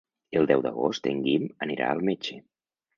El deu d'agost en Guim anirà al metge.